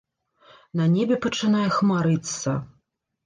На небе пачынае хмарыцца.